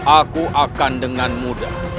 aku akan dengan mudah